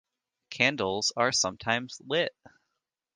Candles are sometimes lit.